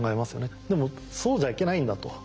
でもそうじゃいけないんだと。